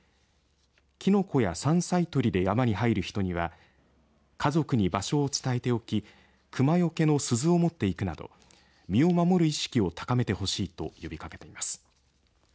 きのこや山菜採りで山に入る人には家族に場所を伝えておき熊よけの鈴を持っていくなど身を守る意識を高めてほしいと呼びかけています。